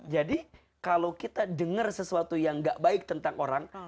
jadi kalau kita dengar sesuatu yang gak baik tentang orang